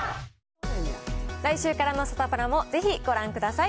来週からのサタプラもぜひご覧ください。